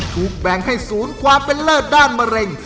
ถูกแบ่งให้ศูนย์ความเป็นเลิศด้านมะเร็ง